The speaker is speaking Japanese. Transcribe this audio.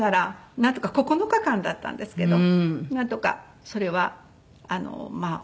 なんとか９日間だったんですけどなんとかそれは終わったんですね。